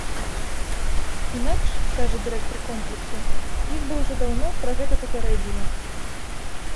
Інакш, кажа дырэктар комплексу, іх бы ўжо даўно пра гэта папярэдзілі.